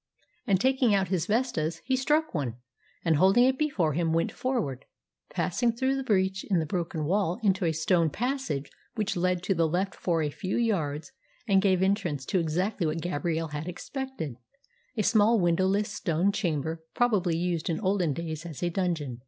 And, taking out his vestas, he struck one, and, holding it before him, went forward, passing through the breach in the broken wall into a stone passage which led to the left for a few yards and gave entrance to exactly what Gabrielle had expected a small, windowless stone chamber probably used in olden days as a dungeon.